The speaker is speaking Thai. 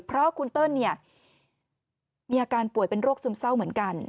เพราะคุณเติ้ลเนี่ยมีอาการป่วยเป็นโรคซึมเศร้าเหมือนกัน